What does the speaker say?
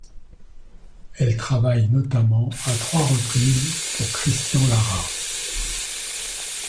Elle travaille notamment à trois reprises pour Christian Lara.